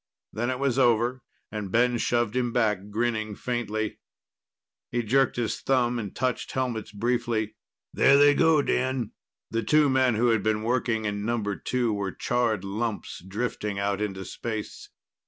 Then it was over, and Ben shoved him back, grinning faintly. He jerked his thumb and touched helmets briefly. "There they go, Dan." The two men who had been working in Number Two were charred lumps, drifting out into space.